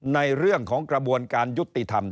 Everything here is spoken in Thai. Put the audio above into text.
ในเรื่องของกระบวนการยุติธรรม